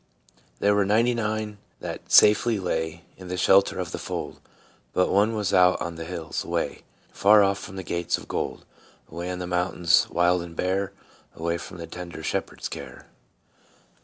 " There were ninety and nine that safely lay In the shelter of the fold ; But one was out on the hills away, Far off from the gates of gold ; Away on the mountains wild and bare, Away from the tender Shepherd's care."